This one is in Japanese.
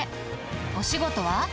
お仕事は？